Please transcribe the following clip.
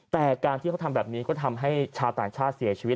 แต่การที่เขาทำแบบนี้ก็ทำให้ชาวต่างชาติเสียชีวิต